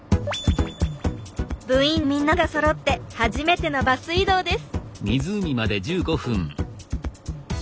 部員みんながそろって初めてのバス移動です。